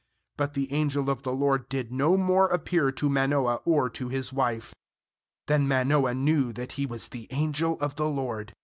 21But the angel of the LORD did no more appear to Manoah or to his wife. Then Manoah knew that he was the angel of the LORD.